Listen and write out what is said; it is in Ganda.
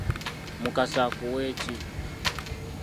Mukasa akuwe ki?